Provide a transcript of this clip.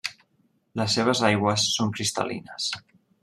Les seves aigües són cristal·lines.